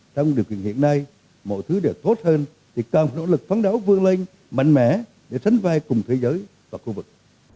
trong điều kiện hiện nay mọi thứ đều tốt hơn thì cần nỗ lực phán đấu vương lên mạnh mẽ để sánh vai cùng thế giới và khu vực